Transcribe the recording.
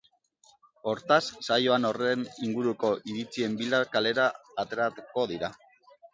Hortaz, saioan horren inguruko iritzien bila kalera aterako dira.